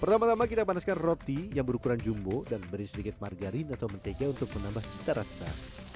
pertama tama kita panaskan roti yang berukuran jumbo dan beri sedikit margarin atau mentega untuk menambah cita rasa